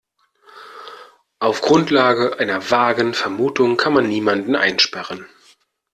Auf Grundlage einer vagen Vermutung kann man niemanden einsperren.